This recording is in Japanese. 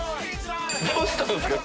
どうしたんですか？